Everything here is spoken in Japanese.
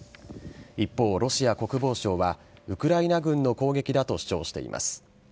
一方、ロシア国防省はウクライナ軍の攻撃だと主張しています。